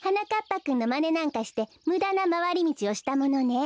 ぱくんのまねなんかしてむだなまわりみちをしたものね。